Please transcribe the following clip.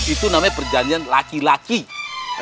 itu namanya perjanjian laki laki itu ya